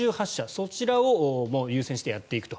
そちらをもう、優先してやっていくと。